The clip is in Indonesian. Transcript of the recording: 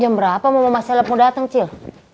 jam berapa mau mas selep mau dateng ciel